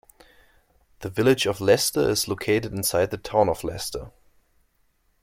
The Village of Leicester is located inside the Town of Leicester.